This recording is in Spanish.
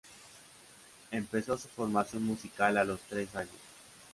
Empezó su formación musical a los tres años.